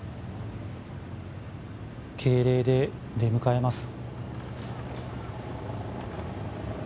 敬礼で出迎えます。